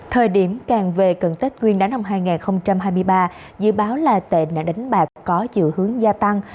thời điểm càng về cận tích nguyên đá năm hai nghìn hai mươi ba dự báo là tệ nạn đánh bạc có dự hướng gia tăng